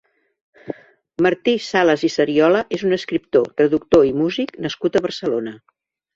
Martí Sales i Sariola és un escriptor, traductor i músic nascut a Barcelona.